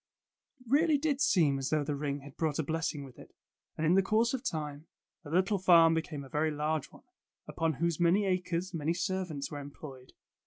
It really did seem as though the ring had brought a blessing with it, and in the course of time, the little farm became a very large one, upon whose many acres many servants were employed.